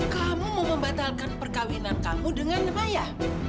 kamu mau membatalkan perkahwinan kamu dengan maya